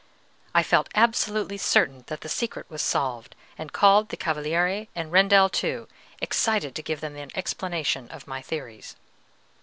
I felt absolutely certain that the secret was solved, and called the Cavaliere and Rendel, too excited to give them an explanation of my theories.